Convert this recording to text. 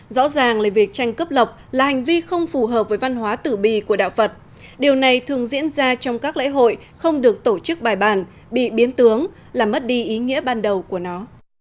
rõ ràng là việc tranh cướp lọc là hành vi không phù hợp với văn hóa tử bi của đạo phật điều này thường diễn ra trong các lễ hội không được tổ chức bài bàn bị biến tướng làm mất đi ý nghĩa ban đầu của nó